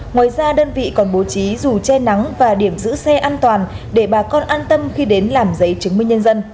ngoài ra đơn vị còn bố trí dù che nắng và điểm giữ xe an toàn để bà con an tâm khi đến làm giấy chứng minh nhân dân